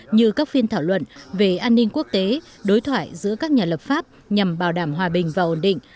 như các phiên thảo luận về an ninh quốc tế đối thoại giữa các nhà lập pháp nhằm bảo đảm hòa bình và ổn định